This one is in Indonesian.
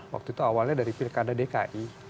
waktu itu awalnya dari pilkada dki